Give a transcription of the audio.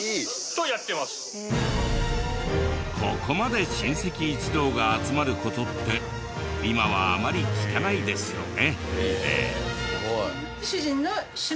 ここまで親戚一同が集まる事って今はあまり聞かないですよね。